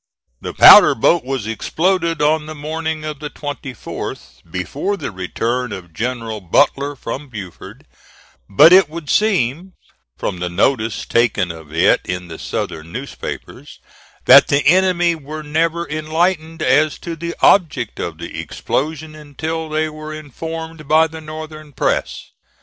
The powder boat was exploded on the morning of the 24th, before the return of General Butler from Beaufort; but it would seem, from the notice taken of it in the Southern newspapers, that the enemy were never enlightened as to the object of the explosion until they were informed by the Northern press.